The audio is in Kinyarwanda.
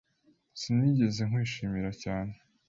Sinigeze nkwishimira cyane.